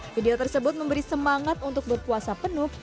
video tersebut memberi semangat untuk berpuasa penuh